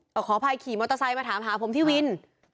ก็ขออภัยขี่มอเตอร์ไซค์มาถามหาผมที่วิน